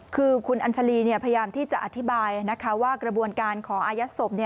คือคุณอัญชาลีพยายามที่จะอธิบายว่ากระบวนการขออายัดศพ